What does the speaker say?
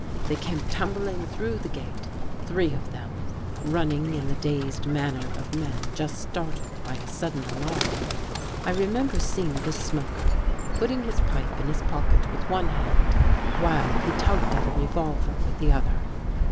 They ; came tumbling through the gate, three of them, j running in the dazed manner of men just startled by • a sudden alarm. I remember seeing the smoker | putting his pipe in his pocket with one hand while he tugged at a revolver with the other.